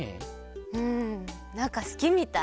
うんなんかすきみたい！